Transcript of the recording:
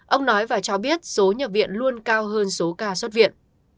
ông nói và cho biết số nhập viện luôn cao hơn số ca xuất viện